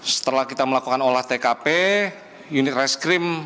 setelah kita melakukan olah tkp unit reskrim